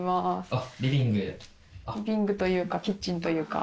リビングというかキッチンというか。